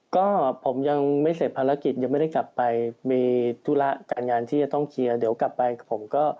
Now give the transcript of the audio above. ก็ผมยังไม่เสร็จภารกิจยังไม่ได้กลับไปมีธุระการงานที่จะต้องเคลียร์เดี๋ยวกลับไปผมก็